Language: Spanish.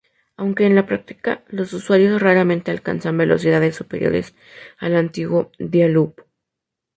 Aunque en la práctica, los usuarios, raramente alcanzan velocidades superiores al antiguo Dial-Up.